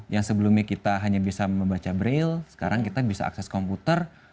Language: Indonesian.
yang sebelumnya kita hanya bisa membaca braille sekarang kita bisa akses komputer